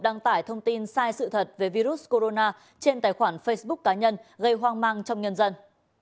đăng tải thông tin sai sự thật về virus corona trên tài khoản facebook cá nhân gây hoang mang trong nhân dân